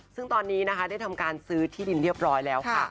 ซึ่งตอนนี้นะคะได้ทำการซื้อที่ดินเรียบร้อยแล้วค่ะ